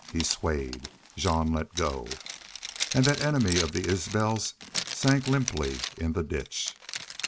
He swayed. Jean let go. And that enemy of the Isbels sank limply in the ditch.